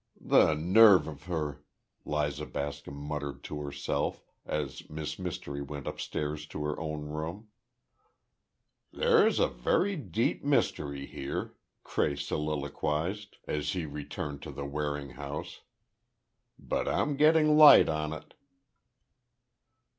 "The nerve of her!" Liza Bascom muttered to herself, as Miss Mystery went upstairs to her own room. "There's a very deep mystery here!" Cray soliloquized, as he returned to the Waring house. "But I'm getting light on it."